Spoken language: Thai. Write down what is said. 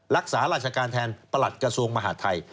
รักษาราชการแทนประหลัดกระทรวงมหาดไทย